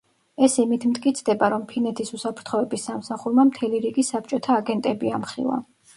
ეს იმით მტკიცდება, რომ ფინეთის უსაფრთხოების სამსახურმა მთელი რიგი საბჭოთა აგენტები ამხილა.